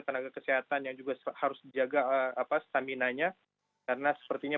tenaga kesehatan yang juga harus dijaga apa stamina nya karena sepertinya